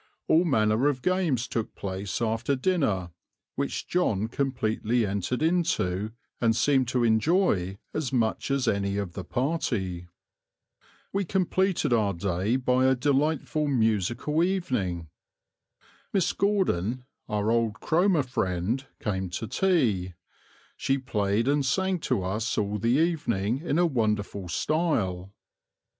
All manner of games took place after dinner, which John completely entered into and seemed to enjoy as much as any of the party. We completed our day by a delightful musical evening. Miss Gordon, our old Cromer friend, came to tea: she played and sang to us all the evening in a wonderful style.